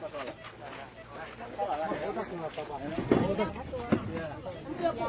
สวัสดีทุกคน